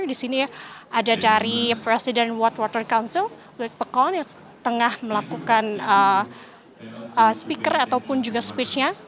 di sini ada dari presiden watt water council wick pekon yang tengah melakukan speaker ataupun juga speechnya